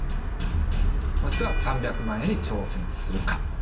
もしくは３００万円に挑戦するか。